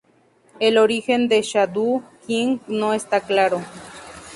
El origen de Shadow King no está claro.